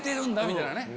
みたいなね。